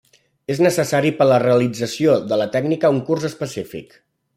És necessari per a la realització de la tècnica un curs específic.